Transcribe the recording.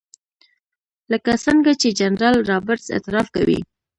لکه څنګه چې جنرال رابرټس اعتراف کوي.